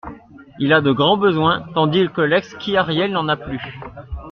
Il a de grands besoins, tandis que l'exquis Ariel n'en a plus.